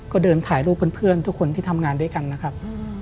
ก็เดินถ่ายรูปเพื่อนทุกคนที่ทำงานด้วยกันนะครับ